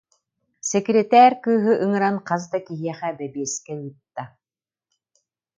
Сэкирэтээр кыыһы ыҥыран хас да киһиэхэ бэбиэскэ ыытта